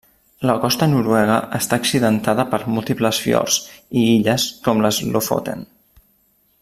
La costa noruega està accidentada per múltiples fiords i illes com les Lofoten.